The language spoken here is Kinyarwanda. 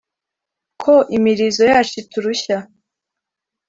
ko imirizo yacu iturushya?